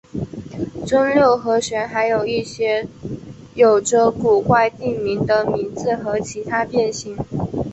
增六和弦还有一些有着古怪地名的名字的其他变形。